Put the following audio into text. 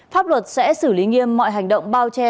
pháp luật sẽ xử lý nghiêm mọi hành động bao che